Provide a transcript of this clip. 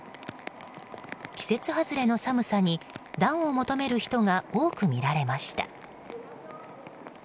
季節外れの寒さに暖を求める人が多く見られました。